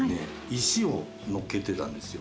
石を載っけてたんですよ。